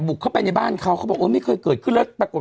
เข้าไปในบ้านเขาเขาบอกเออไม่เคยเกิดขึ้นแล้วปรากฏ